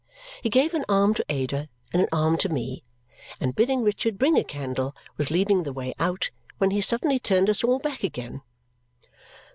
He gave an arm to Ada and an arm to me, and bidding Richard bring a candle, was leading the way out when he suddenly turned us all back again.